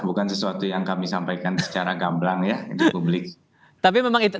bukan sesuatu yang kami sampaikan secara gamblang ya di publik